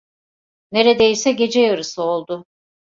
Neredeyse gece yarısı oldu.